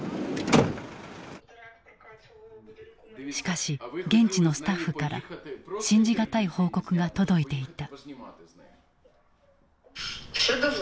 しかし現地のスタッフから信じ難い報告が届いていた。